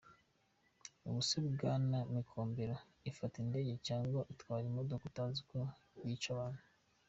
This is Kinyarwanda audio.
Ubu se Bwana Micombero ufata indege cyangwa utwara imodoka utazi ko byica abantu ?